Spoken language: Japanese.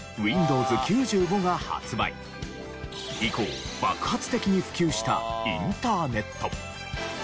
以降爆発的に普及したインターネット。